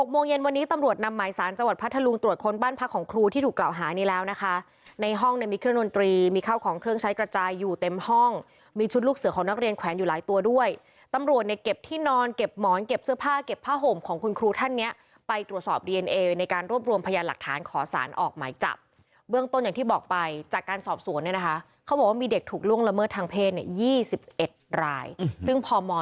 ๖โมงเย็นวันนี้ตำรวจนำหมายสารจังหวัดพัทธลุงตรวจคนบ้านพักของครูที่ถูกกล่าวหาเนี่ยแล้วนะคะในห้องมีเครื่องดนตรีมีข้าวของเครื่องใช้กระจายอยู่เต็มห้องมีชุดลูกเสือของนักเรียนแขวนอยู่หลายตัวด้วยตำรวจเนี่ยเก็บที่นอนเก็บหมอนเก็บเสื้อผ้าเก็บผ้าห่มของคุณครูท่านเนี่ยไปตรวจสอบดีเอ